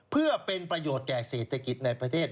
เพื่อเป็นประโยชน์แก่เศรษฐกิจในประเทศ